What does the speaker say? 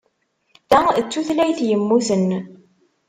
Ta d tutlayt yemmuten.